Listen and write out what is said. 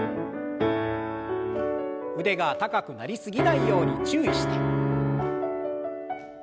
腕が高くなり過ぎないように注意して。